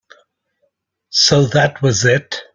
So that was it.